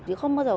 chứ không bao giờ